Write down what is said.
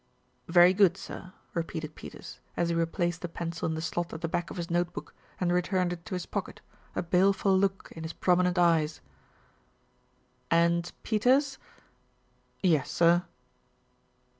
"Very good, sir," repeated Peters, as he replaced the pencil in the slot at the back of his notebook and returned it to his pocket, a baleful look in his promi nent eyes. "And, Peters." "Yes, sir."